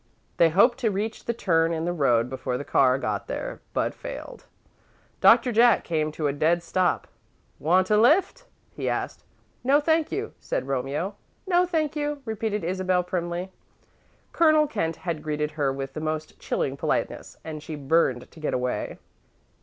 They hoped to reach the turn in the road before the car got there, but failed. Doctor Jack came to a dead stop. "Want a lift?" he asked. "No, thank you," said Romeo. "No, thank you," repeated Isabel, primly. Colonel Kent had greeted her with the most chilling politeness, and she burned to get away.